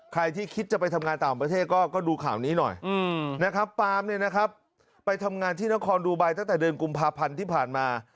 ใครที่คิดจะไปทำงานต่างประเทศก็ดูข่าวนี้หน่อยนะครับปาล์มเนี่ยนะครับไปทำงานที่นครดูไบตั้งแต่เดือนกุมภาพันธ์ที่ผ่านมา